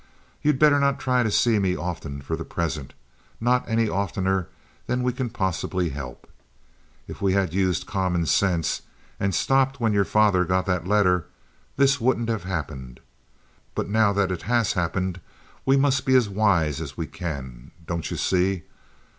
You'd better not try to see me often for the present—not any oftener than we can possibly help. If we had used common sense and stopped when your father got that letter, this wouldn't have happened. But now that it has happened, we must be as wise as we can, don't you see?